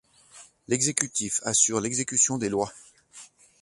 L'exécutif assure l'exécution des lois.